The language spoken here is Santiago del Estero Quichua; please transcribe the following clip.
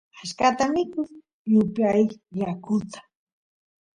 achkata mikush y upiyash yakuta